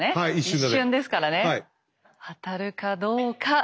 一瞬ですからね当たるかどうか。